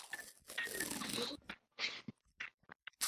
朝鲜景宗的陵墓懿陵位于本区的石串洞。